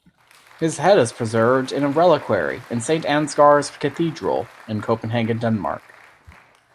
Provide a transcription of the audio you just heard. His head is preserved in a reliquary in Saint Ansgar's Cathedral in Copenhagen, Denmark.